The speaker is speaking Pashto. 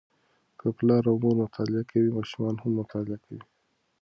که پلار او مور مطالعه کوي، ماشومان هم مطالعه کوي.